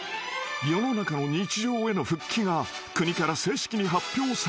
世の中の日常への復帰が国から正式に発表されたのだ］